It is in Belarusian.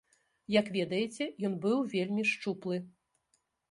Як ведаеце, ён быў вельмі шчуплы.